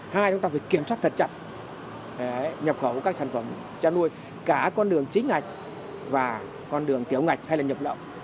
hai chúng ta phải kiểm soát thật chặt nhập khẩu các sản phẩm chăn nuôi cả con đường chính ngạch và con đường tiểu ngạch hay là nhập lậu